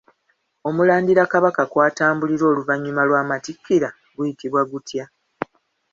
Omulandira Kabaka kwatambulira oluvannyuma lw'amatikkira guyitibwa gutya?